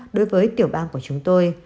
đối với tiểu bang của chúng tôi